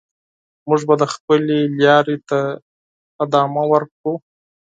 موږ به د خپلې لارې ته ادامه ورکړو.